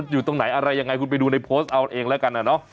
อยู่ตรงไหนอะไรยังไงคุณไปดูในโพสต์เอาเองแล้วกันนะเนาะ